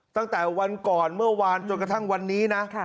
ตั้งแต่วันก่อนเมื่อวานจนกระทั่งวันนี้นะ